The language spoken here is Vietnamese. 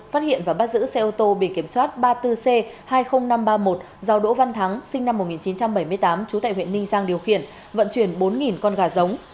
phát hiện và bắt giữ xe ô tô bị kiểm soát ba mươi bốn c hai mươi nghìn năm trăm ba mươi một do đỗ văn thắng sinh năm một nghìn chín trăm bảy mươi tám trú tại huyện ninh giang điều khiển vận chuyển bốn con gà giống